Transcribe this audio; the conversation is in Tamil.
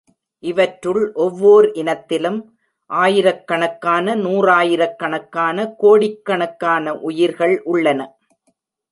இவற்றுள் ஒவ்வோர் இனத்திலும், ஆயிரக் கணக்கான நூறாயிரக்கணக்கான கோடிக்கணக்கான உயிரிகள் உள்ளன.